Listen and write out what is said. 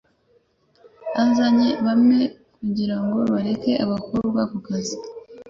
azanye bamwe kugirango bereke abakobwa kukazi